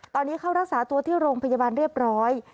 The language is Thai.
ตอนนี้เข้ารักษาตัวที่โรงพยาบาลเรียบร้อย